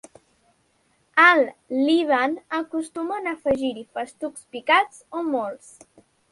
Al Líban acostumen a afegir-hi festucs picats o molts.